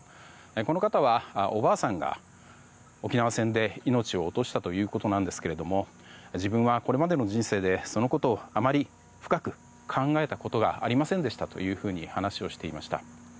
この方は、おばあさんが沖縄戦で命を落としたということなんですけど自分はこれまでの人生でそのことをあまり深く考えたことがありませんでしたと話をしていました。